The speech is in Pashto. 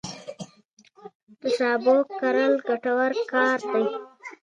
نازو انا د پښتنو یوه لویه شاعره وه.